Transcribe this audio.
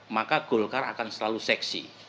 maka golkar akan selalu seksi